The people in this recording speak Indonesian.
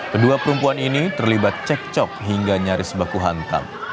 kedua perempuan ini terlibat cek cok hingga nyaris baku hantam